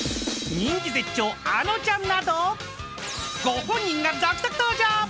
［人気絶頂あのちゃんなどご本人が続々登場］